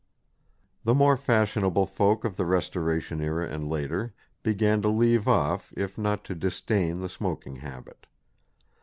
The more fashionable folk of the Restoration Era and later began to leave off if not to disdain the smoking habit.